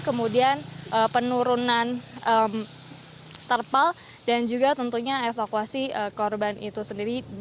kemudian penurunan terpal dan juga tentunya evakuasi korban itu sendiri